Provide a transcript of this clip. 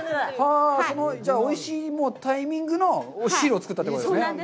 じゃあ、おいしいタイミングの汁を作ったということですね。